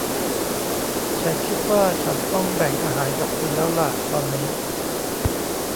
ฉันคิดว่าฉันต้องแบ่งอาหารกับคุณแล้วล่ะตอนนี้